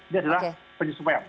ini adalah penyesuaian